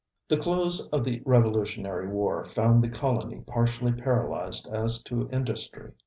The close of the Revolutionary war found the colony partially paralyzed as to industry.